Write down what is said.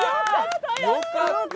よかった！